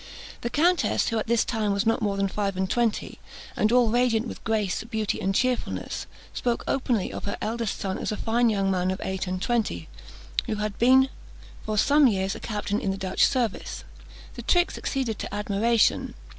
The countess, who at this time was not more than five and twenty, and all radiant with grace, beauty, and cheerfulness, spoke openly of her eldest son as a fine young man of eight and twenty, who had been for some years a captain in the Dutch service. The trick succeeded to admiration.